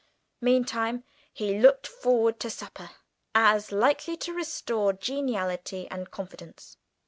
Meantime he looked forward to supper as likely to restore geniality and confidence.